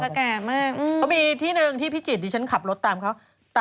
ก็มีที่หนึ่งที่พี่จิตดิฉันขับรถตามเขา